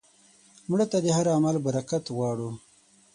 مړه ته د هر عمل برکت غواړو